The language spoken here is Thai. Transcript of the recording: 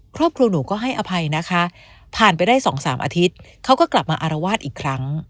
ครอบครัวหนูก็ให้อภัยนะคะผ่านไปได้๒๓อาทิตย์เขาก็กลับมาอารวาสอีกครั้ง